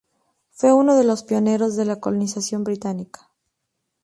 Fue uno de los pioneros de la colonización británica.